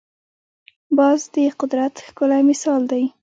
باز د قدرت ښکلی مثال دی